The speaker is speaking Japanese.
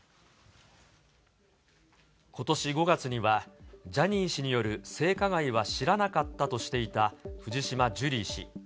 ことし５月には、ジャニー氏による性加害は知らなかったとしていた藤島ジュリー氏。